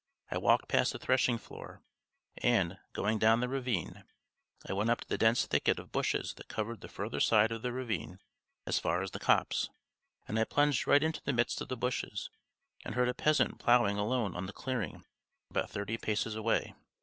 I walked past the threshing floor and, going down the ravine, I went up to the dense thicket of bushes that covered the further side of the ravine as far as the copse. And I plunged right into the midst of the bushes, and heard a peasant ploughing alone on the clearing about thirty paces away.